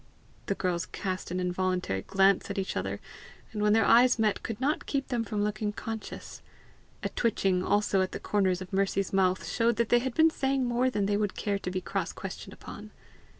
The girls cast an involuntary glance at each other, and when their eyes met, could not keep them from looking conscious. A twitching also at the corners of Mercy's mouth showed they had been saying more than they would care to be cross questioned upon.